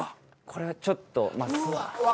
これちょっと。